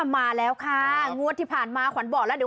มาแล้วค่ะงวดที่ผ่านมาขวัญบอกแล้วเดี๋ยว